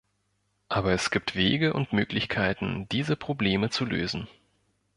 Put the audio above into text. Aber es gibt Wege und Möglichkeiten, diese Probleme zu lösen.